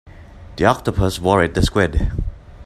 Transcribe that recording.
The octopus worried the squid.